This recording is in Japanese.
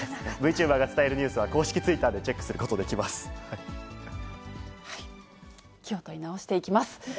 Ｖチューバーが伝えるニュースは、公式ツイッターでチェックするこ気を取り直していきます。